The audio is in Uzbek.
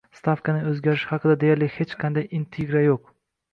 Stavkaning o'zgarishi haqida deyarli hech qanday intriga yo'q